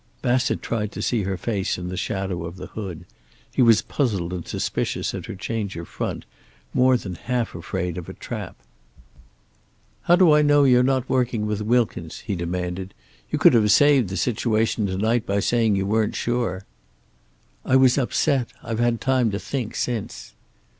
Bassett tried to see her face in the shadow of the hood. He was puzzled and suspicious at her change of front, more than half afraid of a trap. "How do I know you are not working with Wilkins?" he demanded. "You could have saved the situation to night by saying you weren't sure." "I was upset. I've had time to think since."